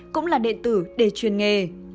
cũng là đệ tử để chuyên nghề